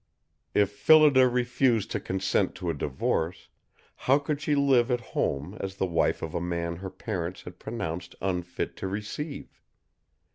If Phillida refused to consent to a divorce, how could she live at home as the wife of a man her parents had pronounced unfit to receive?